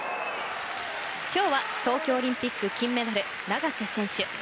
今日は東京オリンピック金メダル永瀬選手